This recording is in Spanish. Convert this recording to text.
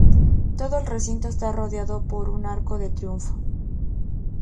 Todo el recinto está rodeado por un arco de triunfo.